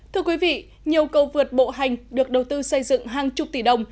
thưa quý vị nhiều cầu vượt bộ hành được đầu tư xây dựng hàng chục tỷ đồng